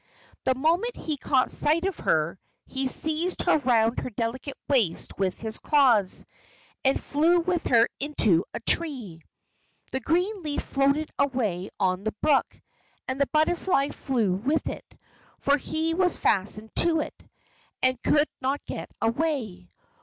The moment he caught sight of her, he seized her round her delicate waist with his claws, and flew with her into a tree. The green leaf floated away on the brook, and the butterfly flew with it, for he was fastened to it, and could not get away.